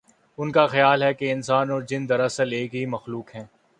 ان کا خیال ہے کہ انسان اور جن دراصل ایک ہی مخلوق ہے۔